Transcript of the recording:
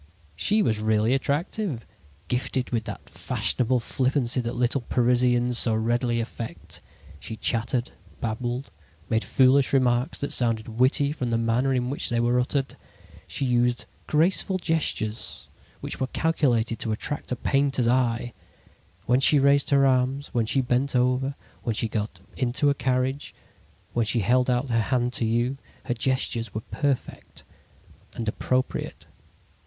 "She was really attractive, gifted with that fashionable flippancy that little Parisians so readily affect. She chattered, babbled, made foolish remarks that sounded witty from the manner in which they were uttered. She used graceful gesture's which were calculated to attract a painter's eye. When she raised her arms, when she bent over, when she got into a carriage, when she held out her hand to you, her gestures were perfect and appropriate.